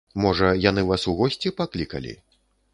Можа, яны вас у госці паклікалі?